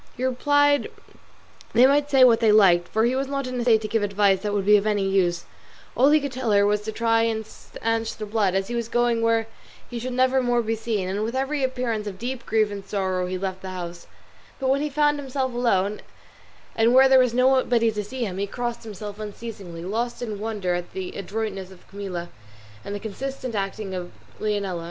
He replied they might say what they liked, for he was not in a state to give advice that would be of any use; all he could tell her was to try and stanch the blood, as he was going where he should never more be seen; and with every appearance of deep grief and sorrow he left the house; but when he found himself alone, and where there was nobody to see him, he crossed himself unceasingly, lost in wonder at the adroitness of Camilla and the consistent acting of Leonela.